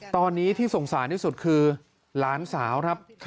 ตอนนี้ที่สงสารที่สุดคือหลานสาวครับ